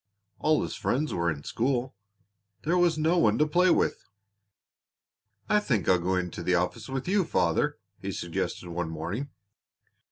All his friends were in school there was no one to play with. "I think I'll go in to the office with you, father," he suggested one morning.